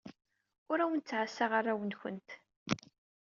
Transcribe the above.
Ur awent-ttɛassaɣ arraw-nwent.